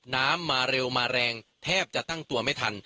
มาเร็วมาแรงแทบจะตั้งตัวไม่ทัน